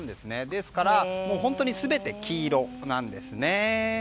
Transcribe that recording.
ですから本当に全て黄色なんですね。